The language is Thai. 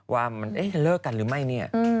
ว่ามันจะเลิกกันหรือไม่เนี่ย